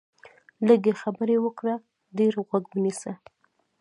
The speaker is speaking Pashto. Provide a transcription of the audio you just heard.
لږې خبرې وکړه، ډېر غوږ ونیسه